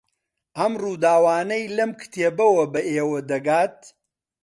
ئەم ڕووداوانەی لەم کتێبەوە بە ئێوە دەگات